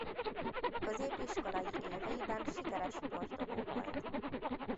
Középiskolai éveiben sikeres sportoló volt.